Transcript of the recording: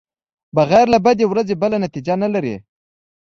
بغیر له بدې ورځې بله نتېجه نلري.